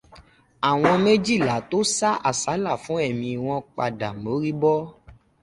Àwọn méjìlá tó sá àsálà fún ẹ̀mí wọn padà m'órí bọ́.